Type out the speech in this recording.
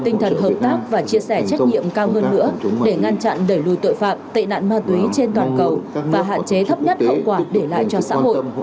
tinh thần hợp tác và chia sẻ trách nhiệm cao hơn nữa để ngăn chặn đẩy lùi tội phạm tệ nạn ma túy trên toàn cầu và hạn chế thấp nhất hậu quả để lại cho xã hội